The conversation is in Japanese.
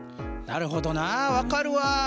なるほどな分かるわ。